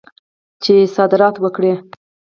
چې صادرات وکړي.